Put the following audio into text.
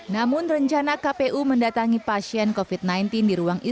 namun rencana kpu mendatangi pasien covid sembilan belas di rumah sakit tidak terlalu berhasil